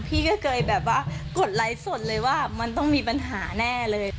พี่ก็เคยแบบว่ากดไลค์สดเลยว่ามันต้องมีปัญหาแน่เลย